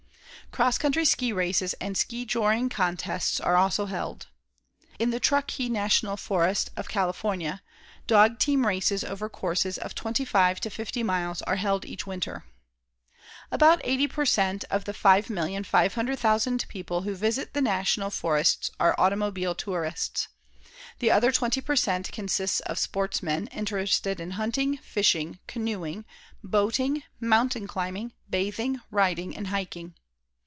Cross country ski races and ski joring contests are also held. In the Truckee National Forest of California, dog team races over courses of 25 to 50 miles are held each winter. About eighty per cent. of the 5,500,000 people who visit the National Forests are automobile tourists. The other twenty per cent. consists of sportsmen interested in hunting, fishing, canoeing, boating, mountain climbing, bathing, riding and hiking.